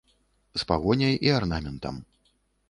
З пагоняй і арнаментам.